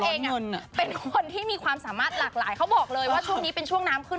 งานเยอะเหมือนร้อนเงินอะเป็นคนที่มีความสามารถหลากหลายเขาบอกเลยว่าช่วงนี้เป็นช่วงน้ำขึ้น